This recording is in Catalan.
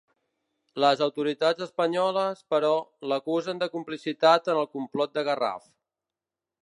Les autoritats espanyoles, però, l'acusaren de complicitat en el complot de Garraf.